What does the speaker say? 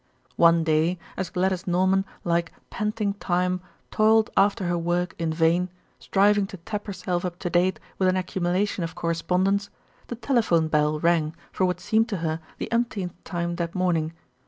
One day as Gladys Norman, like "panting Time," toiled after her work in vain, striving to tap herself up to date with an accumulation of correspondence, the telephone bell rang for what seemed to her the umpteenth time that morning.